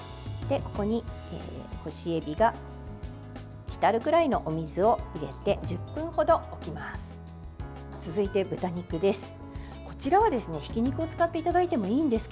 ここに干しエビが浸るくらいのお水を入れて１０分ほど置きます。